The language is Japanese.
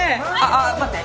あっ待って。